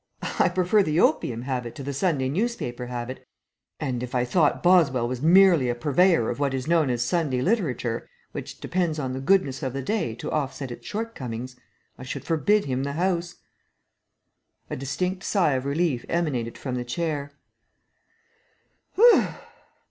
"I prefer the opium habit to the Sunday newspaper habit, and if I thought Boswell was merely a purveyor of what is known as Sunday literature, which depends on the goodness of the day to offset its shortcomings, I should forbid him the house." A distinct sigh of relief emanated from the chair.